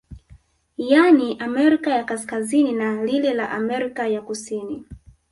Yani Amerika ya kaskazini na lile la Amerika ya kusini